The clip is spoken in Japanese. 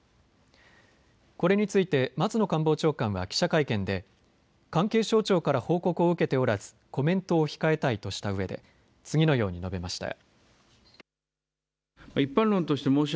これについて松野官房長官は記者会見で関係省庁から報告を受けておらずコメントを控えたいとしたうえで次のように述べました。